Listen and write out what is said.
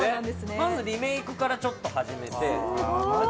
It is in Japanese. まずリメイクからちょっと始めて。